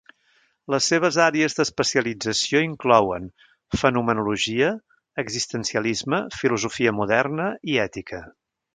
Les seves àrees d'especialització inclouen fenomenologia, existencialisme, filosofia moderna i ètica.